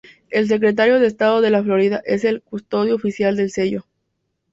El Secretario de Estado de la Florida es el custodio oficial del Sello.